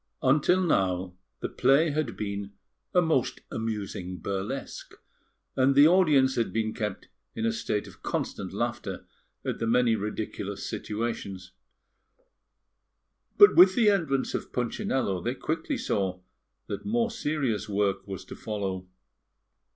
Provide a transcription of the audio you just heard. Until now, the play had been a most amusing burlesque, and the audience had been kept in a state of constant laughter at the many ridiculous situations; but with the entrance of Punchinello, they quickly saw that more serious work was to follow.